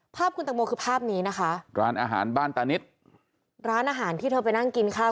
ภาพคุณตังโมคือภาพนี้นะคะร้านอาหารบ้านตานิดร้านอาหารที่เธอไปนั่งกินข้าว